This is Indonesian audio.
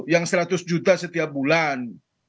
yang seratus juta setiap bulan